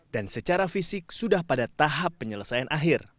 dan secara fisik sudah pada tahap penyelesaian akhir